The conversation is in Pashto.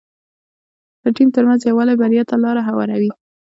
د ټيم ترمنځ یووالی بریا ته لاره هواروي.